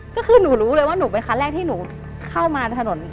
ก็คือหนูรู้เลยว่าหนูเป็นคันแรกที่หนูเข้ามาถนน